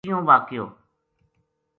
اکیووں واقعو